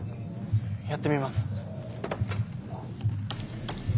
やってみます。